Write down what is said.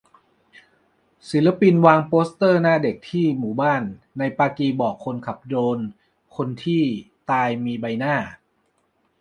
ศิลปินวางโปสเตอร์หน้าเด็กที่หมู่บ้านในปากีบอกคนขับโดรน : คนที่ตายมีใบหน้า